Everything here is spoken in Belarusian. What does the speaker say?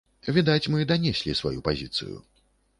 Відаць, мы данеслі сваю пазіцыю.